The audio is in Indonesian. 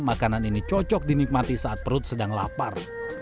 makanan ini cocok dinikmati saat perut sedang lapar